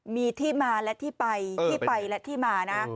มีที่มาและที่ไปที่ไปและที่มานะ